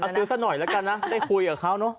ซื้อซะหน่อยแล้วกันนะได้คุยกับเขาเนอะ